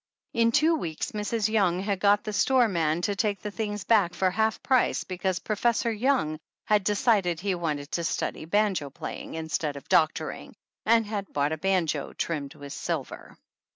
In two weeks Mrs. Young had got the store man to take the things back for half price because Professor Young had decided he wanted to study banjo 82 THE ANNALS OF ANN playing instead of doctoring and had bought a banjo trimmed with silver.